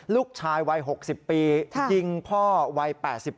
ลูกชายวัย๖๐ปียิงพ่อวัย๘๙